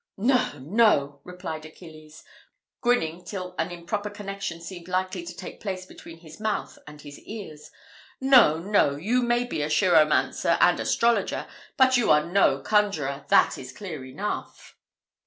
"No, no," replied Achilles, grinning till an improper connection seemed likely to take place between his mouth and his ears "no, no, you may be chiromancer and astrologer, but you are no conjurer; that is clear enough."